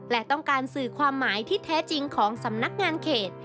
และต้องการสื่อความหมายที่แท้จริงของสำนักงานเขต